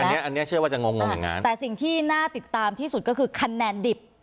อันนี้อันนี้เชื่อว่าจะงงงอย่างนั้นแต่สิ่งที่น่าติดตามที่สุดก็คือคะแนนดิบ